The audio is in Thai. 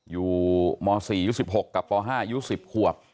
อยู่ม๔ยู๑๖กับป๕ยู๑๐ขวบ